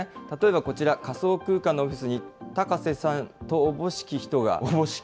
例えばこちら、仮想空間のオフィスに、高瀬さんとおぼしき人が。